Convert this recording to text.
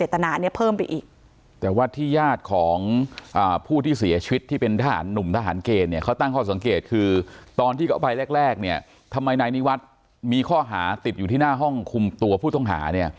แต่ว่าที่ญาติของผู้ที่เสียชีวิตที่เป็นทหารหนุ่มทหารเกณฑ์เนี่ยเขาตั้งข้อสังเกตคือตอนที่เขาไปแรกแรกเนี่ยทำไมนายนิวัฒน์มีข้อหาติดอยู่ที่หน้าห้องคุมตัวผู้ต้องหาเนี่ย